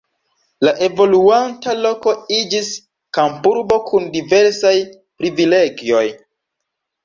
La evoluanta loko iĝis kampurbo kun diversaj privilegioj.